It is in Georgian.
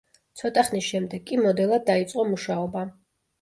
ცოტა ხნის შემდეგ კი მოდელად დაიწყო მუშაობა.